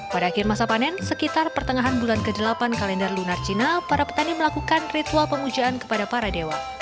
pada akhir masa panen sekitar pertengahan bulan ke delapan kalender lunar cina para petani melakukan ritual pemujaan kepada para dewa